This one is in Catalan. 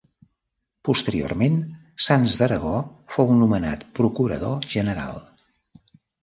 Posteriorment Sanç d'Aragó fou nomenat Procurador general.